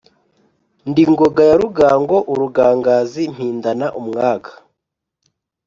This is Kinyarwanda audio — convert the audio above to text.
Ndi Ngoga ya Rugango, urugangazi mpindana umwaga.